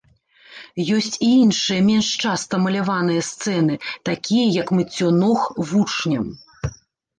Ёсць і іншыя, менш часта маляваныя сцэны, такія як мыццё ног вучням.